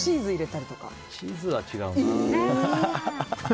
チーズはないな。